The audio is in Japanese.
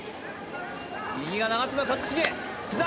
右が長嶋一茂膝！